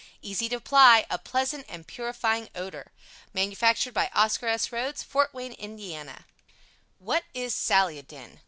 Easy to apply, a pleasant and purifying odor. Manufactured by OSCAR S. RHOADS. FORT WAYNE, IND. What is SALIODIN?